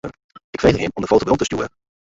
Ik frege him om de foto werom te stjoeren.